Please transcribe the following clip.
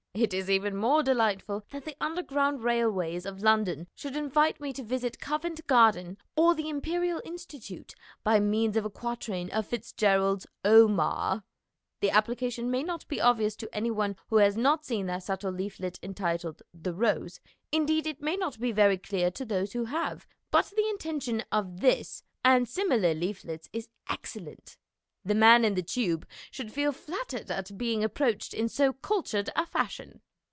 It is even more delightful that the Underground Railways of London should invite me to visit Covent Garden or the Imperial Institute by means of a quatrain of FitzGerald's "Omar." The application may not be obvious to any one who has not seen their subtle leaflet entitled " The Rose " indeed, it may not be very clear to those who have but the intention of this and COMMERCIAL LITERATURE 267 similar leaflets is excellent. The man in the Tube should feel flattered at being approached in so cultured a fashion.